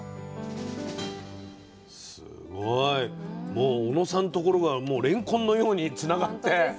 もう小野さんのところからもうれんこんのようにつながってね。